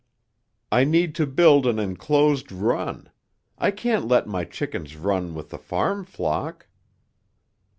"I need to build an enclosed run. I can't let my chickens run with the farm flock."